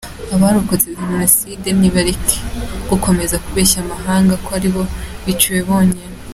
Abarokotse jenoside nibareke gukomeza kubeshya amahanga ko aribo biciwe bonyine.